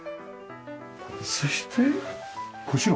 そしてこちら。